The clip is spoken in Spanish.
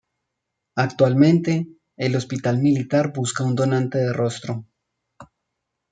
Actualmente, el Hospital Militar busca un donante de rostro.